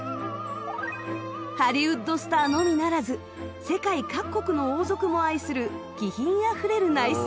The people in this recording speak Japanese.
ハリウッドスターのみならず世界各国の王族も愛する気品あふれる内装。